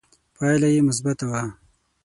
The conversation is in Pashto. پایله یې مثبته وه